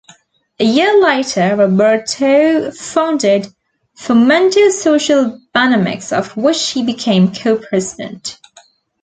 A year later Roberto founded Fomento Social Banamex of which he became co-president.